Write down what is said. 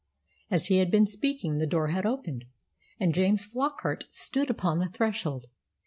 As he had been speaking the door had opened, and James Flockart stood upon the threshold.